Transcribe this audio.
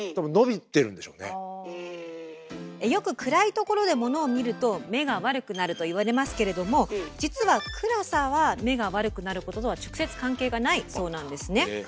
よく暗いところでモノを見ると目が悪くなるといわれますけれども実は暗さは目が悪くなることとは直接関係がないそうなんですね。